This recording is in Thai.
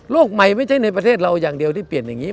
ใหม่ไม่ใช่ในประเทศเราอย่างเดียวที่เปลี่ยนอย่างนี้